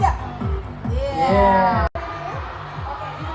มันมีอีกหนึ่ง